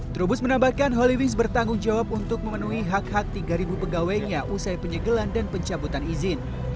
trubus menambahkan holywis bertanggung jawab untuk memenuhi hak hak tiga pegawainya usai penyegelan dan pencabutan izin